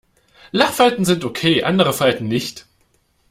Lachfalten sind okay, andere Falten nicht.